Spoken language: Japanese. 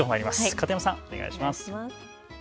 片山さん、お願いします。